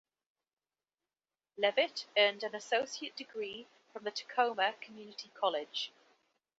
Leavitt earned an associate degree from Tacoma Community College.